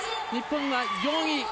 日本は４位。